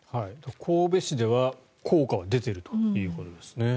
神戸市では効果は出ているということですね。